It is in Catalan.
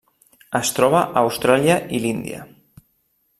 Es troba a Austràlia i l'Índia.